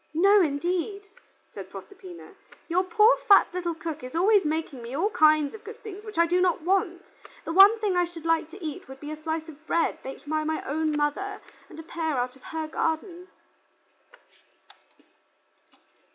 "No, indeed," said Proserpina. "Your poor fat little cook is always making me all kinds of good things which I do not want. The one thing I should like to eat would be a slice of bread baked by my own mother, and a pear out of her garden."